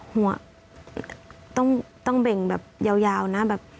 หัวต้องเบ่งแบบยาวนะแบบ